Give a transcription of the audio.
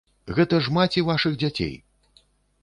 Гэта ж маці вашых дзяцей!